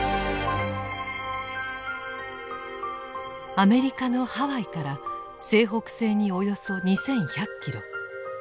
アメリカのハワイから西北西におよそ２１００キロ。